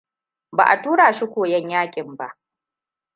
Ba a tura shi koyon yaƙin ba.